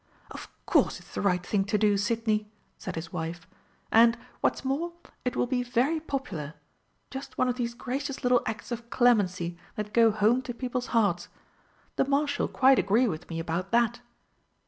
"Of course it's the right thing to do, Sidney," said his wife; "and, what's more, it will be very popular. Just one of these gracious little acts of clemency that go home to people's hearts. The Marshal quite agreed with me about that."